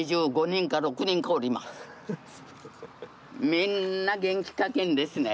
みんな元気かけんですね。